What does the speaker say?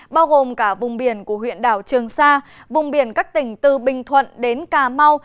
bao gồm cả vùng biển của huyện đảo trường sa vùng biển các tỉnh từ bình thuận đến cà mau